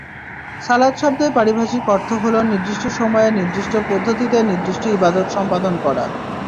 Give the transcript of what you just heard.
সালাত শব্দের পারিভাষিক অর্থ হলো নির্দিষ্ট সময়ে নির্দিষ্ট পদ্ধতিতে নির্দিষ্ট ইবাদত সম্পাদন করা।